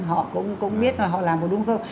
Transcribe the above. họ cũng biết là họ làm có đúng không